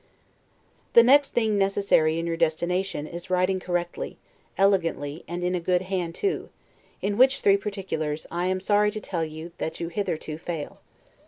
The next thing necessary in your destination, is writing correctly, elegantly, and in a good hand too; in which three particulars, I am sorry to tell you, that you hitherto fail.